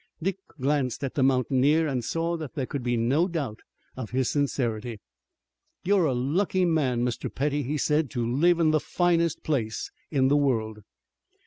Dick glanced at the mountaineer, and saw that there could be no doubt of his sincerity. "You're a lucky man, Mr. Petty," he said, "to live in the finest place in the world."